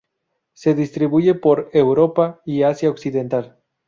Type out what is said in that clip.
Se distribuye por Europa y Asia occidental.